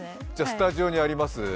スタジオにあります